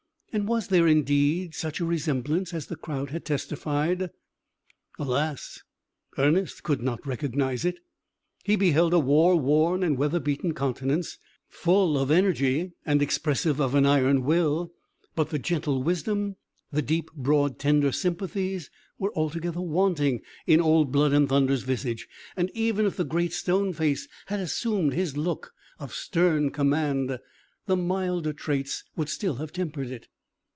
And was there, indeed, such a resemblance as the crowd had testified? Alas, Ernest could not recognise it! He beheld a war worn and weather beaten countenance, full of energy, and expressive of an iron will; but the gentle wisdom, the deep, broad, tender sympathies, were altogether wanting in Old Blood and Thunder's visage; and even if the Great Stone Face had assumed his look of stern command, the milder traits would still have tempered it.